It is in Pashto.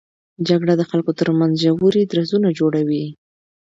جګړه د خلکو تر منځ ژورې درزونه جوړوي